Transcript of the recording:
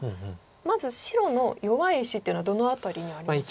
まず白の弱い石っていうのはどの辺りにありますか？